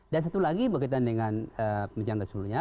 dan dengan penjelasan sebelumnya